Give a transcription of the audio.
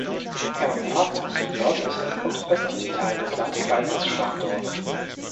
Er umfasst den nördlichen und östlichen Teil des Landkreises Schwandorf.